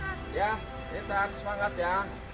ya intan semangat ya